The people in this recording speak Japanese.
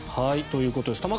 ということです。